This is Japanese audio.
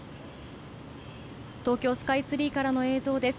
東京スカイツリーからの映像です。